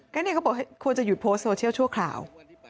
ก็เนี่ยเขาบอกควรจะหยุดโพสต์โซเชียลชั่วคราว